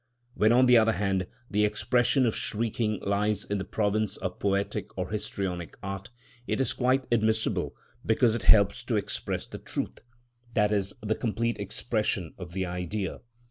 When, on the other hand, the expression of shrieking lies in the province of poetic or histrionic art, it is quite admissible, because it helps to express the truth, i.e., the complete expression of the Idea.